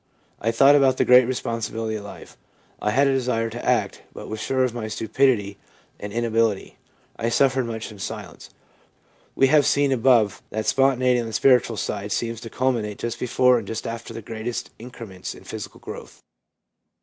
I thought about the great responsibility of life. I had a desire to act, but was sure of my stupidity and in ability. I suffered much in silence/ We have seen above that spontaneity on the spiritual side seems to culminate just before and just after the greatest incre ments in physical growth.